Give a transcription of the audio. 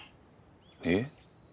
えっ？